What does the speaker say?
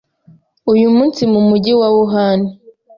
Uyu munsi mu mujyi wa Wuhan